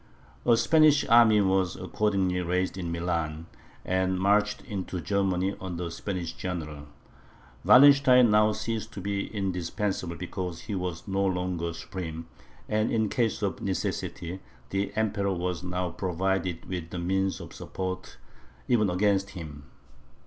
A Spanish army was accordingly raised in Milan, and marched into Germany under a Spanish general. Wallenstein now ceased to be indispensable because he was no longer supreme, and in case of necessity, the Emperor was now provided with the means of support even against him.